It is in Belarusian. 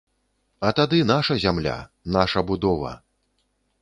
А тады наша зямля, наша будова!